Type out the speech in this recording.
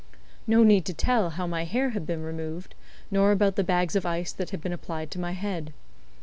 No need to tell how my hair had been removed, nor about the bags of ice that had been applied to my head.